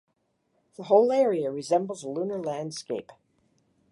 The whole area resembles a lunar landscape.